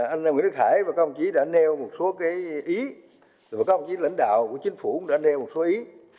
anh em nguyễn đức hải và các ông chí đã nêu một số cái ý và các ông chí lãnh đạo của chính phủ cũng đã nêu một số ý